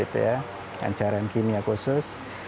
dengan cairan kimia khusus